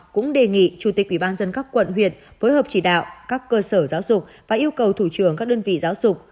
cũng đề nghị chủ tịch ubnd các quận huyện phối hợp chỉ đạo các cơ sở giáo dục và yêu cầu thủ trường các đơn vị giáo dục